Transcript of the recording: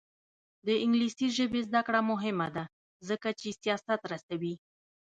د انګلیسي ژبې زده کړه مهمه ده ځکه چې سیاست رسوي.